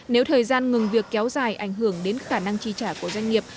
nếu thời gian ngừng việc kéo dài ảnh hưởng đến khả năng chi trả của doanh nghiệp